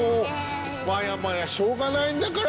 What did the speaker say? もうまやまやしょうがないんだから。